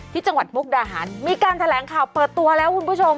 จังหวัดมุกดาหารมีการแถลงข่าวเปิดตัวแล้วคุณผู้ชม